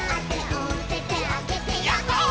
「おててあげてやっほー☆」